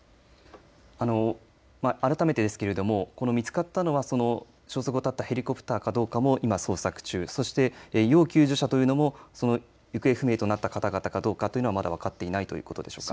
改めてですけれどもこの見つかったのは、その消息を絶ったヘリコプターかどうかも今、捜索中そして要救助者というのもその行方不明となった方々かどうかというのはまだ分かっていないということでしょうか。